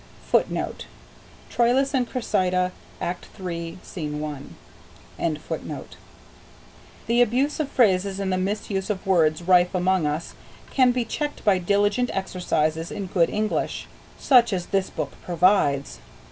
[Footnote: Troilus and Cressida, act iii, sc. 1.] The abuse of phrases and the misuse of words rife among us can be checked by diligent exercises in good English, such as this book provides.